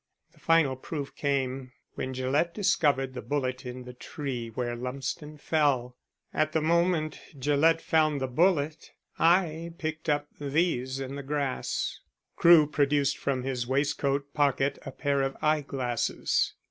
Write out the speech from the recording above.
The final proof came when Gillett discovered the bullet in the tree where Lumsden fell. At the moment Gillett found the bullet I picked up these in the grass." Crewe produced from his waistcoat pocket a pair of eye glasses.